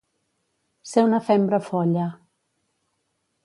Ser una fembra folla.